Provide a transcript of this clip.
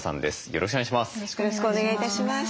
よろしくお願いします。